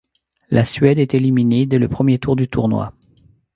La Suède est éliminée dès le premier tour du tournoi.